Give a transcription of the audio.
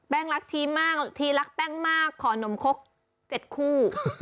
แป้งรักทิมากที่รักแป้งมากขอนมครกเจ็ดคู่